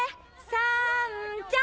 さんちゃん！